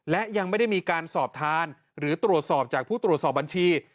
และยังไม่ได้มีการสอบทานหรือตรวจสอบจากผู้ตรวจสอบบัญชี